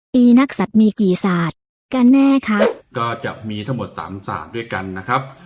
ปีนักศัตริย์มีกี่ศาสตร์กันแน่ครับก็จะมีทั้งหมดสามศาสตร์ด้วยกันนะครับ